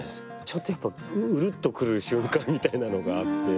ちょっとやっぱりウルっと来る瞬間みたいなのがあって。